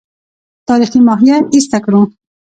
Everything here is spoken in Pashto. تاریخي ماهیت ایسته کړو.